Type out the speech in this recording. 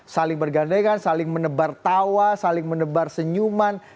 saling bergandengan saling menebar tawa saling menebar senyuman